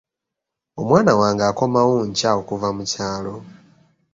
Omwana wange akomawo nkya okuva mu kyalo.